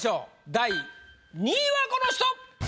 第２位はこの人！